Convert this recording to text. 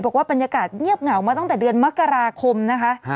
บอกว่าบรรยากาศเงียบเหงามาตั้งแต่เดือนมกราคมนะคะ